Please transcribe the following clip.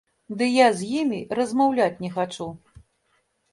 Ды я з імі размаўляць не хачу.